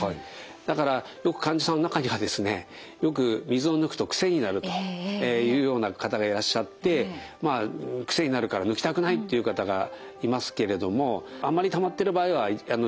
だからよく患者さんの中にはですねよく水を抜くと癖になるというような方がいらっしゃってまあ癖になるから抜きたくないっていう方がいますけれどもあんまりたまってる場合は抜くとですね